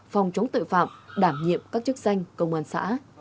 phòng chống tội phạm đảm nhiệm các chức danh công an xã